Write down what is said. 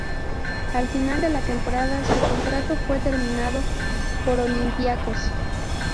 Al final de la temporada su contrato fue terminado por Olympiacos.